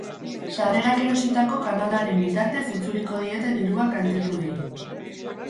Sarrerak erositako kanalaren bitartez itzuliko diete dirua kaltetuei.